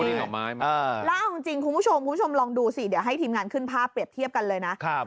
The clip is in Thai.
ลายล่าของจริงครับลองดูซิเดี๋ยวให้ทีมงานขึ้นภาพเปรียบเทียบกันเลยนะ